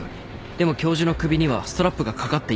でも教授の首にはストラップが掛かっていませんでした。